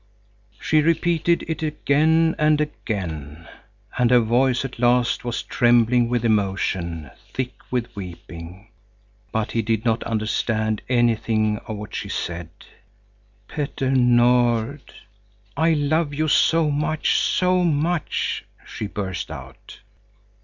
She repeated it again and again. And her voice at last was trembling with emotion, thick with weeping. But he did not understand anything of what she said. "Petter Nord, I love you so much, so much!" she burst out.